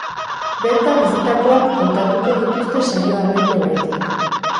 Bertan bizitakoak kontatuko dituzte saioa amaitu aurretik.